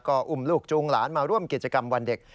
ก็อุ้มลูกจูงหลานมาร่วมกิจกรรมวันเด็ก